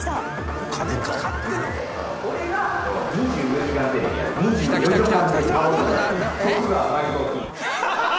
お金かかってんな。来た来た来た。